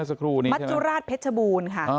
เพชรพูลนี้มันจุราชเพชรพูลค่ะอ่า